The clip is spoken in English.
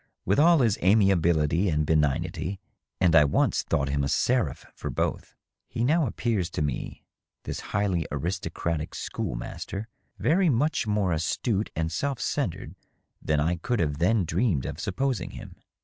With all his amiability and benignity (and I once thought him a ser aph for both), he now appears to me, this highly aristocratic school master, very much more astute and self centred than I could then have dreamed of supposing him.